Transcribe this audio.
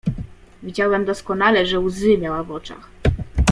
"Widziałem doskonale, że łzy miała w oczach."